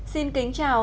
xin kính chào